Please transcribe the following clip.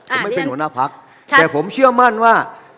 ผมไม่เป็นหัวหน้าพักแต่ผมเชื่อมั่นว่า